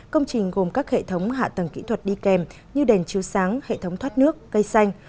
công trình gồm các hệ thống hạ tầng kỹ thuật đi kèm như đèn chiếu sáng hệ thống thoát nước cây xanh